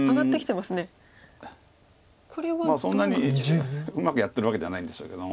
まあそんなにうまくやってるわけではないんでしょうけども。